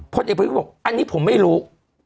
ผลเอกประวิทธิ์เขาบอกอันนี้ผมไม่รู้